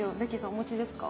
お持ちですか？